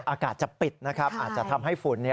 อากาศจะปิดนะครับอาจจะทำให้ฝุ่น